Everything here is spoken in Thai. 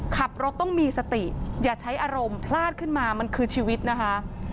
ขับรถต้องมีสติอย่าใช้อารมณ์พลาดขึ้นมามันคือชีวิตนะคะ